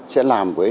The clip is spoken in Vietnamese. sẽ làm với